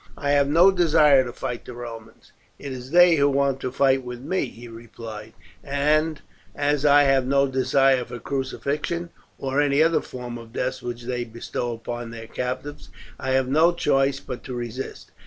"I have no desire to fight the Romans, it is they who want to fight with me," he replied; "and as I have no desire for crucifixion, or any of the other forms of death which they bestow upon their captives, I have no choice but to resist.